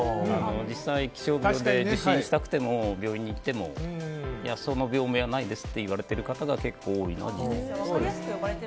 実際、気象病で受診したくても病院に行ってもその病名はないですと言われている方が結構多いのは事実です。